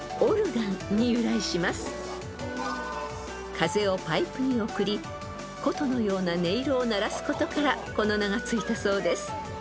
［風をパイプに送り琴のような音色を鳴らすことからこの名が付いたそうです］